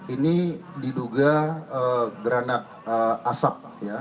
ini diduga granat asap